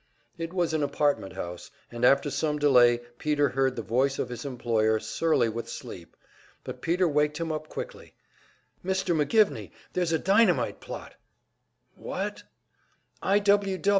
It was an apartment house, and after some delay Peter heard the voice of his employer, surly with sleep. But Peter waked him up quickly. "Mr. McGivney, there's a dynamite plot!" "What?" "I.